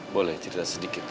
boleh cerita sedikit ya